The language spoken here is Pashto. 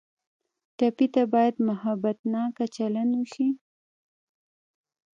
ټپي ته باید محبتناکه چلند وشي.